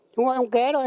chúng tôi gọi ông ké thôi